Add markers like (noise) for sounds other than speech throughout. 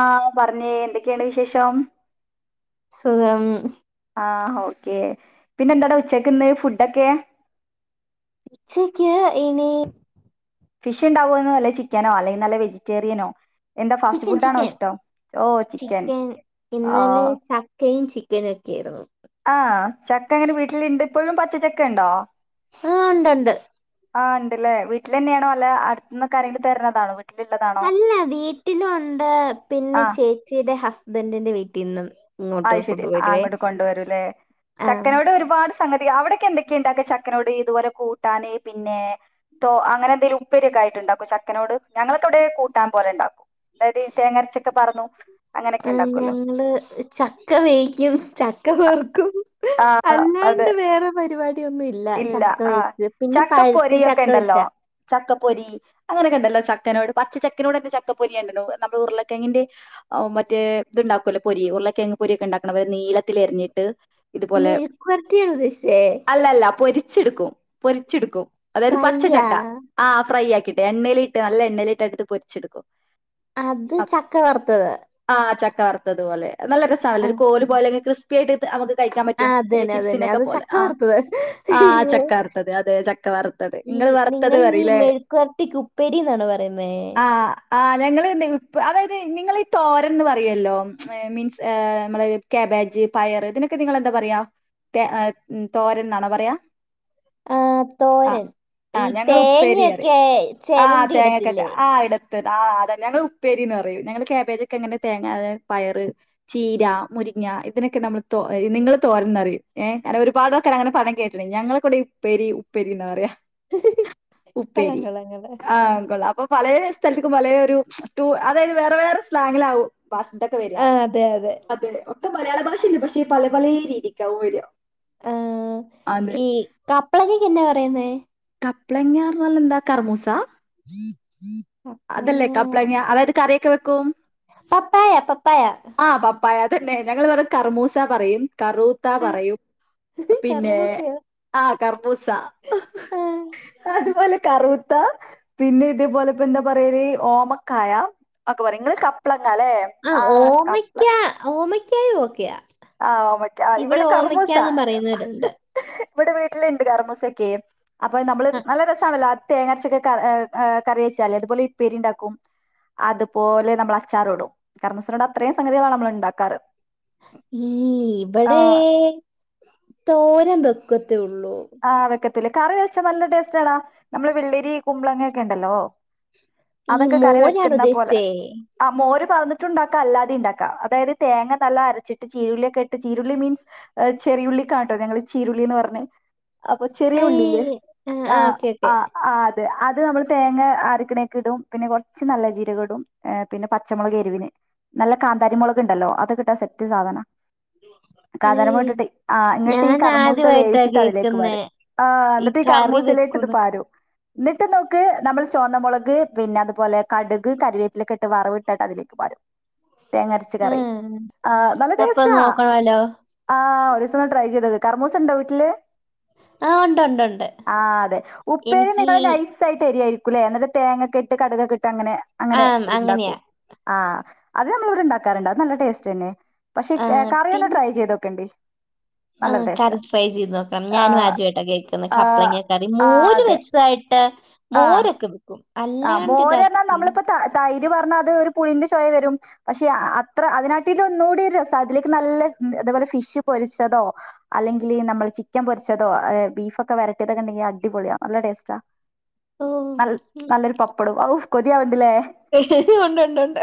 ആ പറഞ്ഞേ എന്തൊക്കെയാണ് വിശേഷം സുഖം ആ ഓക്കേ പിന്നെ എന്താടാ ഉച്ചക്ക് ഇന്ന് ഫുഡൊക്കെ ഉച്ചക്ക് ഇനി ഫിഷ് ഇണ്ടാവുമെന്ന് വല്ല ചിക്കനോ അല്ലെങ്കി നല്ല വെജിറ്റേറിയനോ എന്താ ഫാസ്റ്റ് ചിക്കൻ ഫുഡാണോ ചിക്കൻ ഇഷ്ടം? ഓ ചിക്കൻ ഇന്നലെ ചക്കയും ചി ചിക്കനൊക്കെയായിരുന്നു ആ ചക്ക എങ്ങനെ വീട്ടില് ഇണ്ട് ഇപ്പോഴും പച്ചച്ചക്ക ഇണ്ടോ ആഹ ഉണ്ടണ്ട് ആ് ഉണ്ടല്ലേ വീട്ടിൽ തന്നെയണ അല്ല അടുത്തനിന്നക്കൊര്െങ്കിലും തരുന്നതാണ് അല്ല വീട്ടിലുണ്ട് പിന്നെ ആഹ് ചേച്ചിയുടെ ഹസ്ബൻറിിന്റെ വീട്ടിൽ നിന്നും അ ഇങ്ങോട്ട് ശരി ആ കൊണ്ടുവരുവേ അങ്ങോട്ട് കൊണ്ടുവരുംല്ലേ ആ, ചക്കനോട് ഒരുപാട് സംഗ അവിടക്കെ എന്തൊക്കെയ ഉണ്ടാക്ക ചക്കനോട് ഇതുപോലെ കൂട്ടാന്െ പിന്നെ തോ അങ്ങനെ എന്തെലും ഉപ്പരിൊക്കെയിട്ട്ുണ്ടാക്കും ചക്കനോട് ഞങ്ങളെത്തവിടെ കൂട്ടാൻ പോലെണ്ടാക്കും അതായത് തേങ്ങരച്ചൊക്കെ പറഞ്ഞു അങ്ങനൊക്കെ ആ, ഉണ്ടാക്കല്ലോ ഞങ്ങള് ചക്ക വേക്കും ചക്ക പെറുക്കും ആ അത് അല്ലാണ്ട് വേറെ പരിപാടിയൊന്നും ഇല്ല ആ വെച്ച് പിന്നെ ചക്ക പഴുത്ത പൊരിൊക്കെ ചക്ക വെച്ച ഉണ്ടല്ലോ ചക്കപ്പൊരി അങ്ങനെൊക്കെണ്ടല്ലോ ചക്കനോട് പച്ചക്കനോട്ന്നെ ചക്കപ്പൊരി ഉണ്ട നമ്മൾ ഉരുളക്കെങ്ങിന്റെ മറ്റേ ഇതുണ്ടാക്കുമല്ലോ പൊരി ഉരുളക്കെങ്ങ് പൊരി ഒക്കെ ഉണ്ടാക്കണം അവര് നീളത്തില എറിഞ്ഞിട്ട് ഇതുപോലെ മെഴുക്കുവരട്ടിയാണ് ഉദ്ദേശിച്ചേ അല്ലല്ല പൊരി ച്ചെടുക്കും പൊരിച്ചെടുക്കും അതായത് ഫ്രൈയാ പച്ചച്ചക്ക ആ ഫ്രൈ ആകി ക്കിട്ട് എണ്ണലിട്ട് നല്ല എണ്ണലിട്ട് അടുത്ത് പൊരിച്ചെടുക്കും. അത് അപ്പൊ ചക്ക വറുത്തത് ആ ചക്ക വറുത്തത് പോലെ. അത് നല്ല ആ രസാണല്ലോ ഒരു കോല് പോലൊക്കെ ക്രിസ്പി ആയിട്ട് കഴിക്കാൻ ആ, പറ്റും, അതന്നെ അതന്നെ ചിപ്സിനൊക്കെ അത് പോലെ ചക്ക ആ വറുത്തത് ആ അയ്യോ ചക്ക വറുത്തത് അതെ ചക്ക വറുത്തത്. ഈ നിങ്ങൾ വറുത്തത് നിങ്ങ ഈ പറയില്ലേ മെഴുക്കുവരട്ടിക്കുപ്പേരിന്നാണോ പറയുന്നേ? ആ ആ ഞങ്ങൾ ഇതിൻപ് അതായത് നിങ്ങളീ തോരൻന്ന് പറയല്ലോ മീൻസ് ഏ അമ്മളെ കാബേജ് പയറ് ഇതിനൊക്കെ നിങ്ങൾ എന്താ പറയാ തേ ഏ തോരൻന്നാണോ പറയാ? ആഹ് ആ തോരൻ ആ ഈ ഞങ്ങൾ ഉപ്പേരി പറയും തേങ്ങയൊക്കെ ചെരണ്ടി ഇടത്തില്ലേ ത് ആ അതാ ഞങ്ങൾ ഉപ്പേരീന്ന് പറയും. ഞങ്ങള് കാബേജൊക്കെ എങ്ങനെ തേങ്ങ അതായ പയറ് ചീര മുരിങ്ങ ഇതിനൊക്കെ നമ്മൾ തോ നിങ്ങള് തോരന്ന് പറയും. ഏ അങ്ങെനെ ഒരുപാടാൾക്കാര് അങ്ങനെ പറയണെ കേട്ടിന്. ഞങ്ങളൾ ഇവിടെ ഉപ്പേരി ഉപ്പേരി എന്നാ പറയാ കള്ളം ഉപ്പേരി കള്ളം കള്ളം ആ കൊള്ളാം അപ്പം പലേ സ്ഥലത്തെക്കും പലേ ഒരു റ്റൂ അതായത് വേറെ വേറെ സ്ലാങ്ങിലാവും ഭാഷ്തൊക്കെ വരിക ആ അതെ അതെ ഒക്കെ മലയാള ഭാഷയന്നെ പക്ഷെ പല പലേ രീതിക്കാവും വരിക ആ അതെ ഈ കപ്ലയിങ്ങക്കെന്നാ പറയുന്നേ? കപ്ലയിങ്ങാ എന്ന് പറഞ്ഞാൽ എന്താ കർമൂസാ? കപ്ലയ്ങ്ങ കപ്ലങ്ങ അതായത് കറിയൊക്കെ വെക്കും പപ്പായ പപ്പായ ആഹ് പപ്പായ അതന്നെ ഞങ്ങള് പറയും കർമൂസാ പറയും കറൂത്ത പറയും. പിന്നെ കർമ്മൂസയോ ആ കർമൂസ ആ അതുപോലെ കറു ത്ത പിന്നെ ഇതേപോലെ എന്താ പറയല് ഓമക്കായ, ഒക്കെ പറയും നിങ്ങള് കപ്ല ആ ഓമയ്ക്ക ഓമയ്ക്കായ ഓക്കയാ ആ ഓമയ്‌ക്ക ഇവിടെ കറമൂസ പറയുന്നവരുണ്ട് ഇവിടെ വീട്ടിലുണ്ട് കറമൂസൊക്കെ അപ്പൊ നമ്മള് ആ, നല്ല രസാണല്ലോ തേങ്ങരച്ചൊക്കെ ഏ ഏ കറി വെച്ചാലേ അതുപോലെ ഇപ്പേരി ഉണ്ടാക്കും അതുപോലെ നമ്മൾ അച്ചാറോടും കർമൂസിനൊണ്ട് അത്രയും സംഗതികളാണ് നമ്മൾ ഉണ്ടാക്കാറ്. ഈ ഇവിടെ തോരം വെക്ക ത്തുള്ളൂ ആഹ് വെക്കത്തില്ല കറി വെച്ചാ നല്ല ടേസ്റ്റ് ആടാ നമ്മള് വെള്ളരി കുമ്പളങ്ങ ഒക്കെ ഉണ്ടല്ലോ ഈ അതൊക്കെ കറി മോരാണ് വെക്കുന്ന പോലെ ഉദ്ദേശിച്ചേ ആ മോര് പാർന്ന് ട്ടിണ്ടാക്ക അല്ലാതെ ഇണ്ടാക്ക അതായത് തേങ്ങ നല്ല അരച്ചിട്ട് ചീരുള്ളിയൊക്കെ ഇട്ട് ചീരുളി മീൻസ് ചെറിയു ള്ളി ക്കാട്ടോ ഞങ്ങള് ചീരുള്ളിന്ന് പറഞ്ഞെ. അപ്പൊ ചെറിയ ഹൈ ഉള്ളി ഇല്ലേ ആ ആ അ ത്. അത് നമ്മൾ തേങ്ങ അരക്ക്ണേക്കിടും പിന്നെ കൊർച്ച് നല്ല ജീരക ഇടുംഏ പിന്നെ പച്ചമുളക് എരിവിന് നല്ല കാന്താരി മുളക് ഇണ്ടല്ലോ. അതൊക്കിട്ടാ നല്ല സെറ്റ് സാധനാ ഹൈ കാന്താരി മുളക് ഇട്ടിട്ട് ആ ഇങ്ങിട്ട് ഈ ഞാൻ കറമൂസ ആദ്യമായിട്ടാ വേവിച്ചിട്ട് അതിലേക്ക് കേൾക്കുന്നേ ക്ക്പാരും ആ എന്നിട്ട് ഈ കറി കർമൂസിലേക്ക് ഇത് വെക്കുന്നു പാരും. എന്നിട്ട് നമുക്ക് നമ്മൾ ചോന്നമുളക് പിന്നെ അതുപോലെ കടുക്, കറിവേപ്പിലയെക്കെ ഇട്ട് വറവ് ഇട്ടിട്ട് അതിലേക്ക് പാരും. തേങ്ങ അരച്ച ആ കറി. ആ നല്ല അപ്പൊ ടേസ്റ്റാ. നോക്കണമല്ലോ ആ ഒരീസം ഒന്ന് ട്രൈ ചെയ്തത്. കർമൂസണ്ടോ വീട്ടില്? ആ ഉണ്ട് ഉണ്ട് ഉണ്ട് ആ അതെ ഉപ്പേരി എനിക്ക് നിങ്ങള് നൈസ് ആയിട്ട് അരിയാരി ക്കുലേ. എന്നിട്ട് തേങ്ങൊക്കെ ഇട്ട് കടുകൊക്കെ ഇട്ട് അങ്ങനെ ആ അങ്ങനെ ഉണ്ടാക്കും. അങ്ങനെയാ ആ അത് നമ്മളിവിടെ ഉണ്ടാക്കാറുണ്ട് അത് നല്ല ടേസ്റ്റ് തന്നെ. പക്ഷെ ആ, കറി ഒന്ന് പിന്നെ ട്രൈ ചെയ്തോക്കേണ്ടി. ആ കറി ട്രൈ ചെയ്തോക്കണം. ആ ഞാനും ആദ്യായിട്ടാകേൾക്കുന്നേ. ആ കപ്ളങ്ങ കറി ആ മോര് അതെ. വെച്ചതായിട്ട് ആ മോരൊക്കെ വെയ്ക്കും. ആ മോര് എന്നാനമ്മളിപ്പോ തൈര് പറഞ്ഞ അത് ഒരു പുളിന്റെ ചൊവവരും. പക്ഷെ അത്ര അതിനാട്ടി ഒന്നുകൂടി ഒരു രസം അതിലേക്ക് നല്ല അതേപോലെ ഫിഷ് പൊരിച്ചതോ അല്ലെങ്കിൽ നമ്മള് ചിക്കൻ പൊരിച്ചതോ ബീഫ് ഒക്കെ വരറ്റിയ തൊണ്ടങ്കി അടിപൊളിയാ നല്ല ടേസ്റ്റാ. ഓ നൽ നല്ലൊരു പപ്പടവും ഔ കൊതിയാവണ്ടല്ലേ? ഉണ്ടുണ്ടുണ്ട്.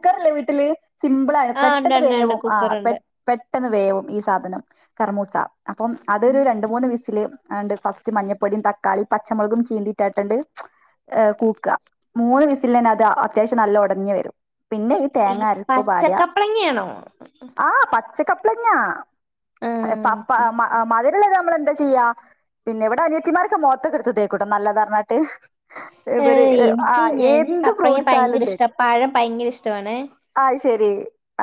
കുക്കറല്ലേ വീട്ടില്. സിമ്പിളാണ് പെട്ടെന്ന് ഉണ്ട് ഉണ്ട് വേവും. ആ കുക്കറുണ്ട് പെട്ടെന്ന് വേവും ഈ സാധനം. കറുമൂസ അപ്പം അതൊരു ഉം. രണ്ടു മൂന്ന് വിസില്. ആന്റ് ഫസ്റ്റ് മഞ്ഞപ്പൊടിയും തക്കാളിയും പച്ചമുളകും ചീന്തിട്ടായിട്ടുണ്ട് ഏ കൂക്ക മൂന്ന് വിസില് തന്നെ അത് അത്യാവശ്യം നല്ല ഉടഞ്ഞഞ് വരും. പിന്നെ ഈ തേങ്ങ അരപ്പ് പാരയാ. ആ പച്ചക്ക ആ ഓക്കെ (unintelligible) നമ്മൾ എന്താ ചെയ്യാ. പിന്നെ ഇവിടെ അനിയത്തിമാരൊക്കെ മോത്തൊക്കെ എടുത്ത് തേയ്ക്കും നല്ലതാന്ന്പറഞ്ഞിട്ട്. ഏ എനിക്ക് ഞനിക്ക് കപ്പളങ്ങ ഫ്രൂട്ട്സ് ആയാലും ഭയങ്കര ഇഷ്ടാ. തേക്കും പഴം ഭയങ്കര ഇഷ്ടമാണ്. അത് ശെരി.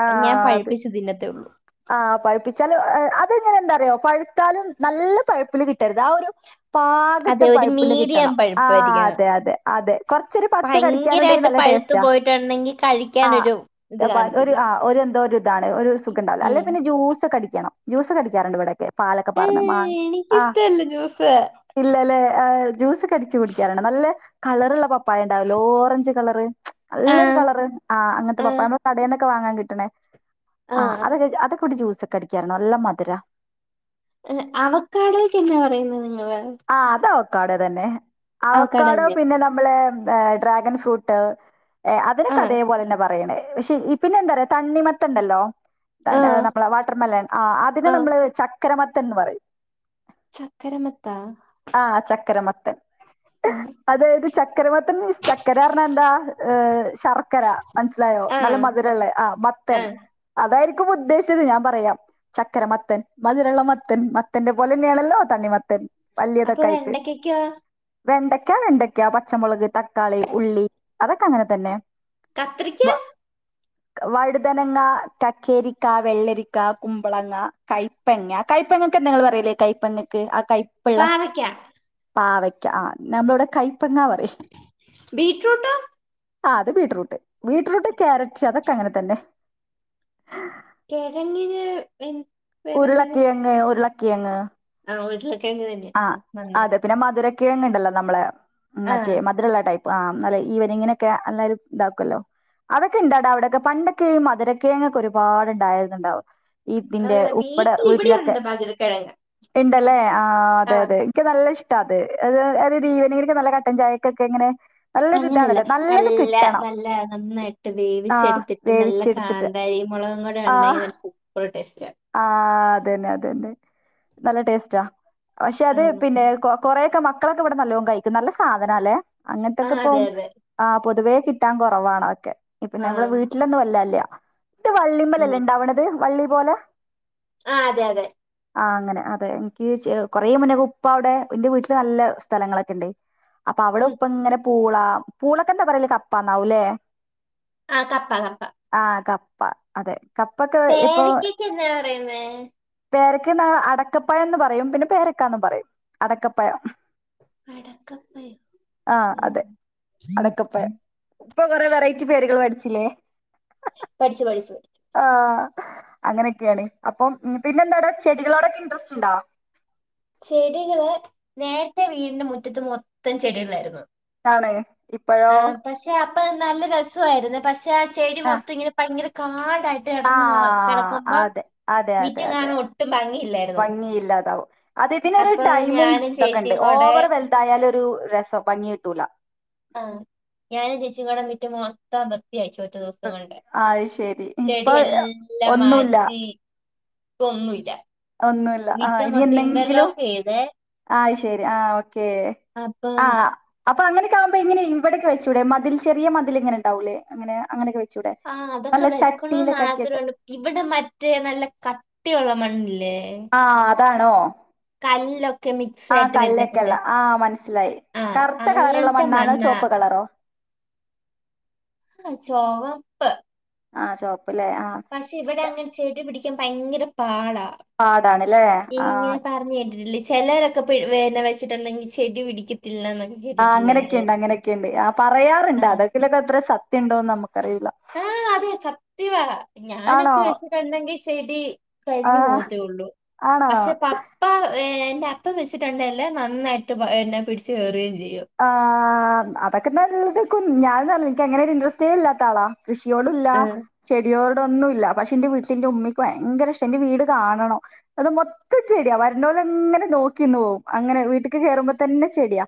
ആ ഞാൻ അത് പഴുപ്പിച്ച് തിന്നത്തേ ഉള്ളൂ ആ പഴുപ്പിച്ചാല് അതിങ്ങനെ എന്താറിയോ പഴുത്താലും നല്ല പഴുപ്പില് കിട്ടരുത് ആ ഒരു പാകത്തെ അതെ ഒരു പൈപ്പില് മീഡിയം കിട്ടണം. ആ പഴുപ്പായിരിക്കണം അതെ അതെ അതെ കുറച്ചൊരു പച്ച കടിക്കാനുണ്ടെങ്കിൽ ഭയങ്കരമായിട്ട് നല്ല ടേ പഴുത്തു സ്റ്റാ പോയിട്ടുണ്ടെങ്കിൽ ആ കഴിക്കാനൊരു ഇത് ഒരു കാണത്തില്ല ഒരു എന്തോ ഒരിതാണ് ഒരു സുഖ അല്ലെ ഉം. പിന്നെ ജ്യൂസെക്കെ അടിക്കണം. ജ്യൂസ് അടിക്കാറുണ്ട് ഇവിടെക്കെ. പാലൊക്കെ ഏ, പറഞ്ഞു മാ ആ എനിക്കിഷ്ടല്ല ജ്യൂസ് ഇല്ലല്ലേ? ആ ജ്യൂ അടിച്ചു കുടിക്കാറാണ്. നല്ല കളറുള്ള പപ്പായ ഉണ്ടാവില്ലേ? ഓറഞ്ച് കളറ് ആ നല്ലൊരു കളറ് ആ അങ്ങനത്തെ ആ പപ്പായ നമ്മള് കടേന്നൊക്കെ വാങ്ങാൻ കിട്ടണേ? ആ അത അതൊക്കെൂടി ജ്യൂസ ഒക്കെ അടിക്കാറുണ്ട്. നല്ല മധുരാ അവക്കാടയ്ക്ക് എന്നാ പറയുന്നത് നിങ്ങ ആ അത് അവക്കാടോ തന്നെ അവക്കാടോ പിന്നെ നമ്മള് ഹ് ഡ്രാഗൻ ഫ്രൂട്ട് ആ അതിനൊക്കെ അതേപോലെ തന്നെ പറയണേ. ക്ഷേ പിന്നെ എന്താപറയാ തണ്ണിമത്തനുണ്ടല്ലോ? ആ നമ്മളെ വാട്ടർമെലോൺ ആ അതിനന് ആ നമ്മള് ചക്കരമത്തന്ന് പറയും. ച- ആ ചക്കര മത്ത ആ അതായത് ചക്കര മത്തന് ചക്കരാന്ന് പറഞ്ഞാൽ എന്താ? ശർക്കര മനസ്സിലായോ ആ നല്ല മധുരമുള്ളേ. ആ ആ അതായിരിക്ക ഉദ്ദേശിച്ചത് ഞാൻ പറയാം. ചക്കര മത്തൻ മധുരമുള്ള മത്തൻ മത്തന്റെ പോലെ തന്നെയാണല്ലോ തണ്ണിമത്തൻ. അപ്പൊ വെണ്ടക്കായ്ക്കോ? വെണ്ടയ്ക്കാ, വെണ്ടയ്ക്കാ, പച്ചമുളക്, തക്കാളി, ഉള്ളി അതൊക്കെ അങ്ങനെ തന്നെ. കത്രിക്ക വ- വഴുതനങ്ങ, കക്കേരിക്ക, വെള്ളരിക്ക, കുമ്പളങ്ങ, കയ്പങ്ങ, കയപ്പങ്ങ പറയല് കൈപ്പ ആ കൈപ്പുള്ള പാവക്ക പാവയ്ക്ക ആ നമ്മളടെ കൈ ബീട്രൂട്ടാ ആ അത് ബീറ്റ്റൂട്ട് ബീട്റൂട്ട് ക്യാരറ്റ് അതൊക്കെ അങ്ങനെ തന്നെ കേഴങ്ങിന് എ ഉരുളക്കിഴങ് ഉരുളക്കിഴങ്ങ് ആ വീട്ടിലക്കെ എ തന്നെ നായി കിഴങ്ങുണ്ടല്ലോ നമ്മള് മറ്റേ മധുരമുള്ള ടൈപ്പ് ആഹ് നല്ല ഈവരനിങ്ങനെക്കെ ല്ലാരും ഇതാക്കുല്ലോ അതൊക്കെ ഇണ്ടടാ അവിടെയക്കെ പണ്ടൊക്കെയും മധുരക്കേങൊ ക്കെ ഒരുപാട്ണ്ടായിരുന്നുണ്ടാവും ആ, ഈതിന്റെ ഉപ്പടെ വീട്ടിൽ ഇവിടെ വീട്ടിലൊക്കെ ഉണ്ട് പതിരക്കിഴങ്ങ് ഇണ്ടല്ലേ ആഹ് ആ അതെ അതെ എനിക്ക് നല്ലശ് അ അതത് ഈവനെങ്കിലൊക്കെ നല്ല കട്ടൻ ചായക്കൊക്കെ ഇങ്ങനെ നല്ലൊരു അങ്ങനെയല്ല ഇതാണല്ലോ നല്ലത് നല്ല കിട്ടണം നല്ല നന്നായിട്ട് ആ വേവിച്ചെടുത്തിട്ട് നല്ല വേവിച്ചെടുത്തിട്ട് കാന്താരി കുരുമളകും കടെ ഉണ്ടെങ്കിൽ നല്ല സൂപ്പർ ടേസ്റ്റ് ആഹ് അതന്നെ അതന്നെ നല്ല ടേസ്റ്റാ പക്ഷെ ആ അത് പിന്നെ കോ കൊറെക്കെ മക്കളൊക്കെ ഇവിടെ നല്ലോംകഴിക്കും നല്ല സാധന അല്ലെ ആ, അങ്ങനത്തൊക്കെ ഇപ്പ അതെ അതെ ആ പൊതുവേ കിട്ടാൻ കുറവാണോക്കെപ്പ ആ നമ്മെ വീട്ടിലൊന്നും വല്ല ഇല്ല ഇട്ട് വള്ളിമ്മലല്ലേ ഉണ്ടാവണത് വള്ളി പോലെ ആഹ് അതെ അതെ ആഹ് അങ്ങനെ അതെ എനിക്ക് കൊറെ മുന്നൊക്കെ ഉപ്പ അവിടെ എന്റെ വീട്ടില് നല്ല സ്ഥലങ്ങളൊക്കെ ഉണ്ട് അപ്പൊ അവിടെ ഉം. ഉപ്പ ഇങ്ങനെ പൂള പൂളൊക്കെന്താ പറയല കപ്പന്നാവുംല്ലേ ആഹ് കപ്പാ കപ്പാ പ്പ അതെ കപ്പൊക്കെ ഇപ്പൊ പേരയ്ക്കൊക്കെ എന്നാ പറയുന്നേ പേരക്ക് എന്നാ അടക്കപ്പയം എന്ന് പറയും പിന്നെ പേരക്കാന്ന് പറയും അടക്കപ്പയം അടക്കപ്പയം ആഹ് അതെ അടക്കപ്പയം ഇപ്പൊ കൊറെ വെറൈറ്റി പേരുകൾ പടി ചിലെ പഠിച്ചു പഠിച്ചു ആഹ് അങ്ങനെയൊക്കെയാണ് അപ്പം പിന്നെ എന്താടാ ചെടികളോടൊക്കെ ഇണ്ടറസ്റ്റ് ഉണ്ടോ ചെടികള് നേരത്തെ വീടിന്റെ മുറ്റത്ത് മൊത്തം ചെടികളായിരുന്നു ആണ് ഇപ്പോഴോ ആ പക്ഷെ അപ്പൊ നല്ല രസമായിരുന്നു പക്ഷെ ആ ചെടി ആഹ് മൊത്തം ഇങ്ങനെ ഭയങ്കര കാ ടായിട്ട് കിടന്ന ആഹ് കിടക്കുമ്പ അതെ അതെ അതെ മിറ്റം അതെ കാണാൻ ഒട്ടും ഭംഗിയില്ലായിരുന്നു അതദേതിനൊരു രു അപ്പൊ ടൈമും ഞാനും ഇതൊക്കെ ഉണ്ട് ചേച്ചിയും കൂടെ ഓവർ വെൽത് ആയാല് ഒരു രസം ഭംഗി കിട്ടൂല ആ ഞാന് ചേച്ചികൂടേ മിറ്റം മൊത്തം വൃത്തിയാക്കി ഒറ്റ ദിവസം കൊണ്ട് ആ അത് ശരി ഇപ്പൊ ചെടിയെല്ലാം ഒന്നുല്ല മാറ്റി പ്പന്നൂല്ല ന്നൂല്ല ആ ഇനി എന്നെങ്കിലും ചെയ്ത് ആഹ് ശരി ആഹ് ഓക്കേ അപ്പം ആഹ് അപ്പ അങ്ങനൊെക്പോ ഇങ്ങനെ ഇവിടെക്കെൂടെ മതിൽ ചെറിയ മതിൽ ഇങ്ങനെണ്ടാവൂല്ല അങ്ങനെങ്ങനൊെ ആ അതൊക്കെ വെക്കണന്ന് ആഗ്രഹമുണ്ട് ഇവിടെ മറ്റേ നല്ല കട്ടിയുള്ള മണ് ആഹ് അതാണോ കല്ലൊക്കെ മിക്സ് ആഹ് ആയിട്ട് വരുന്ന കല്ലൊക്കള്ള കൂട്ട് ആഹ് മനസ്സിലായി ആ കറുത്ത കളറ്ള്ള അങ്ങനത്തെ മണ്ണാണ മണ്ണ പപ്പ് കളറോ ല്ല ചോവപ്പ് ആഹ് ചോപ്പ പക്ഷെ ഇവിടെ അങ്ങനെ ചെടി പിടിക്കാൻ ഭയങ്കര പാടാ പാടാണ്ല്ലേ ആ ഇങ്ങനെ പറഞ്ഞു കേട്ടിട്ടില്ലേ ചിലരൊക്കെ പി പിന്നെ വട്ടുണ്ടെങ്ക ചെടി പിടിക്ക ആ് അങ്ങനൊക്കെയ ഉണ്ട് അങ്ങനെയൊക്കെയ ഉണ്ട് ആ ആ പറയാറുണ്ട് അതെക്കിലൊക്കെ അത്ര സത്യം ഉണ്ടോന്ന് നമുക്ക് കരയില്ല ദതിിവ ഞാനൊക്കെ വെച്ചിട്ടുണ്ടെങ്കിൽ ചെടി ആ കരിഞ്ഞു പോത്തേള്ളൂ ആണോ പക്ഷെ പപ്പ ഏ എ്ന്റെ അപ്പം വെച്ചിട്ടുണ്ടെല്ലേ നന്നായിട്ട് എന്നെ പിടിച്ച് കയറുകയും ചെയ്യും ആ അതൊക്കെ നല്ലതക്കും ഞാന എനിക്ക അങ്ങനെ ഒരു ഇൻറസ്റ്റേ ഇല്ലാത്ത ആളാ കൃഷിയോടുല്ല ആ, ചെടിയോർ ൊന്ന ഇല്ല പക്ഷെ എന്റെ വീട്ടിൽ എന്റെ ഉമ്മക്ക് ഭയര ഇഷ്ടം എന്റെറെ വീട് കാണോ അത് മൊത്തം ചെടിയാ വര ഇങ്ങനെ നോക്കിന്ന് പോവും അങ്ങനെ, വീട്ടിക്ക് കേറുമ്പോ തന്നെ ചെടിയാ.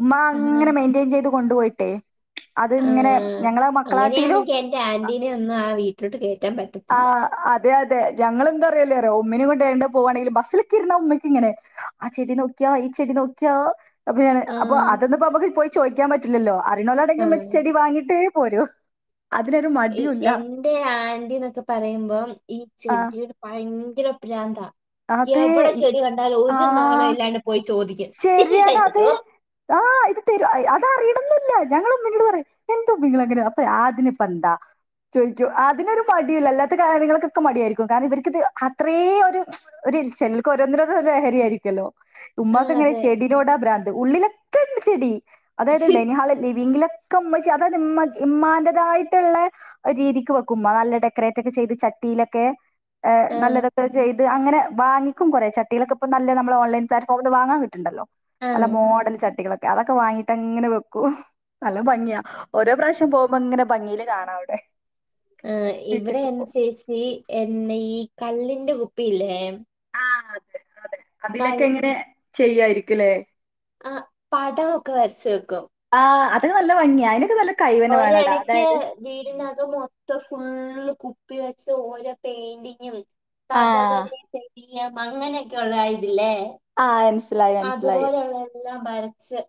ഉമ്മ ആ, അങ്ങനെ മെയിന്റയിൻ ചെയ്ത് കൊണ്ടുപോയിട്ടെ ആ അങ്ങനെയാണെങ്കി എന്റെ ആന്റീനെ ഒന്നും ആ വീട്ടിലോട്ട് കേയറ്റാൻ പറ്റി ആഹ് അ അതെ അതെ ഞങ്ങളെന്താറിയല്ലേറിയാ ഉമ്മിനെ കൊണ്ടയോണ്ട് പോവാണെങ്കിലും ബസിലിക്കിരുന്നാ ഉമ്മിക്ക് ഇങ്ങനെ ആ ചെടി നോക്കി (unintelligible) ഈ ചെടി നോക്കാ അപ്പൊ ഞാന് ആ, അപ്പൊ അതന്നപ്പോ നമ്മക്ക് പോയി ചോദിക്കാൻ പറ്റില്ലല്ലോ ആ. അറിയണോലാണെങ്കി ഉമ്മച്ചി ചെടി വാങ്ങിട്ട് പോരു ഈ എന്റെ ആൻ്റിന്നൊക്കെ പറയുമ്പോം ഈ ആ ചെടിടെ ഭയങ്കര പ്രാന്താ. അതെ എവടെ ചെടി കണ്ടാലും ഒരു നാണം ഇല്ലാണ്ട് പോയി ചോദി ശെരിയാടോ അത് ആഹ് ഇത് (unintelligible) അതറിയണൊന്നു ഇല്ല ഞങ്ങള് ഉമ്മിനോട് പറയും എന്തോമ്മീങ്ങള് ഇങ്ങനെ അപ്പ അതിനിപ്പെന്താ ചോദിക്കൂ അതിനൊരു മടിയൂല്ല അല്ലാത്ത കാര്യങ്ങൾക്കൊക്കെ മടിയായിരിക്കും കാരണം ഇവർക്കിത് അത്രേ ഒരു (unintelligible) ചിലർക്ക് ഓരോന്നിന് ഓരോ ലഹരി ആയിരിക്കല്ലോ. ആ ഉമ്മാക്ക്ങ്ങനെ അതെ ചെടിനോടാ ബ്രാന്ത് ഉള്ളിലൊക്കെണ്ട് ചെടി. അതായത് ഡെനിഹാള് ലിവിങ്ങില് ഒക്കെ ഉമ്മച്ചി അതത് ഇമ്മ ഇമ്മാന്റെതായിട്ടിള്ള രീതിക്ക് വെക്കുമ്പ നല്ല ഡെക്കറേറ്റ് ഒക്കെ ചെയ്ത് ച ട്ടിയിലൊക്കെ ഏ ആ നല്ല ഇതൊക്കെ ചെയ്ത് അങ്ങനെ വാങ്ങിക്കും കൊറെ ചട്ടികളൊക്കെപ്പൊ നല്ല നമ്മളെ ഓൺലൈൻ പ്ലാറ്റ്ഫോമില് വാങ്ങാൻ കിട്ടു ണ്ടല്ലോ ആ നല്ല മോഡൽ ചട്ടികളൊക്കെ അതൊക്കെ വാങ്ങീട്ട് അങ്ങനെ വെക്കൂ. നല്ല ഭംഗിയാ ഓരോ പ്രാശ്യം പോവുമ്പോ ഇങ്ങനെ ഭംഗിയില് കാണാം അവിടെ ആ ഇവിടെ വീട്ടിലേക്ക് എൻറെ പോ ചേച്ചി എന്നെ ഈ കള്ളിന്റെ കുപ്പിയില്ലേ അതെ അതെ കൾ അതിലൊക്കെ എങ്ങനെ ചെയ്യായിരിക്കും ല്ലേ ആ പടമൊക്കെ വരച്ച് വെക്കും അതിന് നല്ല ഭംഗിയാ അതിനൊക്കെ നല്ല കൈവന്നെ വേണടാ ഒരെടയ്ക്ക് അതായത് വീടിനകം മൊത്തം ഫുള്ള് കു പ്പി വെച്ച് ഓരോ പെയിന്റിങ്ങും ആ കഥകളിടെ ഈ അങ്ങനെയൊക്കെള്ള ഇതില്ലേ ആ മനസ്സിലായി മനസ്സിലായി അതുപോലെയുള്ള എല്ലാം വരച്ച്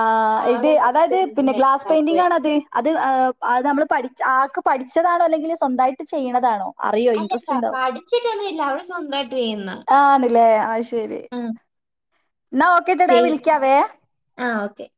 ആ് ഇത് ഹാള് അതായത് മൊത്തം പിന്നെ ഇങ്ങനെ ഗ്ലാസ് പെയിൻറിങ്ങാണോ ഇതാക്കുമായിരുന്നു (unintelligible) അത് ഏഹ് അത് നമ്മള് പഠിച്ച് ആക്ക് പഠിച്ചതാണോ അല്ലെങ്കില് സ്വന്തായിട്ട് ചെയ്യണതാണോ? അറിയോ അല്ലല്ല ഇൻട്രസ്റ്റ് ഇണ്ടാവും പഠിച്ചിട്ടൊന്നും ഇല്ല അവള് സ്വന്തമായിട്ട് ചെയ്യുന്ന ആണില്ലേ അത് ശെരി. ആ ചെയ് ആ ഓക്കെ